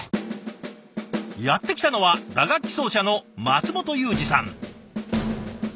やって来たのは打楽器奏者の松本祐二さん。